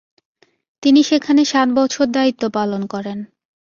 তিনি সেখানে সাত বছর দায়িত্ব পালন করেন।